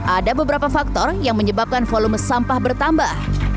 ada beberapa faktor yang menyebabkan volume sampah bertambah